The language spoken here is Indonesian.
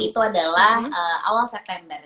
itu adalah awal september